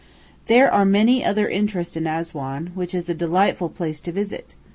There are many other interests in Assuan, which is a delightful place to visit.